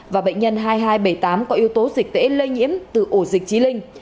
và bệnh nhân hai nghìn hai trăm bảy mươi tám có yếu tố dịch tễ lây nhiễm từ ổ dịch trí linh